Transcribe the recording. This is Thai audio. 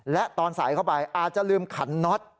และตอนใส่เข้าไปอาจจะลืมขันน็อต